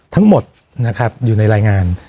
ทั้งหมดอยู่ในรายงาน